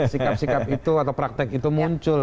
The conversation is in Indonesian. sikap sikap itu atau praktek itu muncul